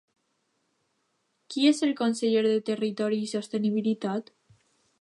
Qui és el conseller de Territori i Sostenibilitat?